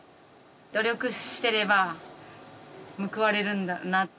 努力してれば報われるんだな。